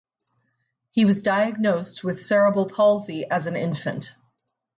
He was diagnosed with cerebral palsy as an infant.